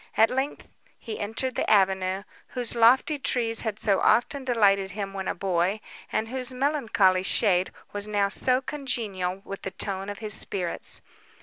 At length he entered the avenue, whose lofty trees had so often delighted him when a boy, and whose melancholy shade was now so congenial with the tone of his spirits.